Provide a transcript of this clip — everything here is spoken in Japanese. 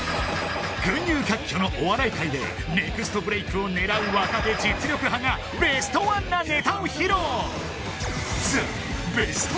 群雄割拠のお笑い界でネクストブレイクを狙う若手実力派がベストワンなネタを披露